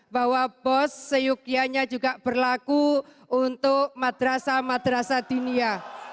bahwa bos seyukianya juga berlaku untuk madrasah madrasah dinia